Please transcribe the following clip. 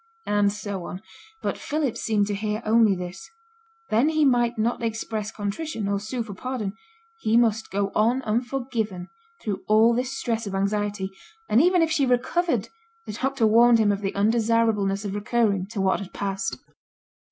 And so on; but Philip seemed to hear only this: then he might not express contrition, or sue for pardon, he must go on unforgiven through all this stress of anxiety; and even if she recovered the doctor warned him of the undesirableness of recurring to what had passed!